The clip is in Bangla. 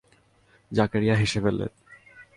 জাকারিয়া হেসে ফেললেন।